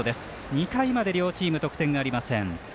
２回まで両チーム得点ありません。